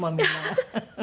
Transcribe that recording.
フフフフ。